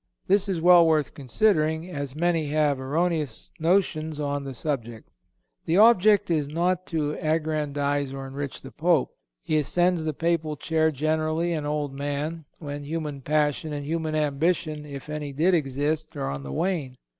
This is well worth considering, as many have erroneous notions on the subject. The object is not to aggrandize or enrich the Pope. He ascends the Papal chair generally an old man, when human passion and human ambition, if any did exist, are on the wane.